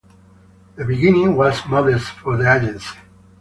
The beginning was modest for the agency.